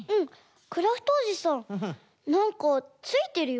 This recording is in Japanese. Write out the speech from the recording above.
クラフトおじさんなんかついてるよ。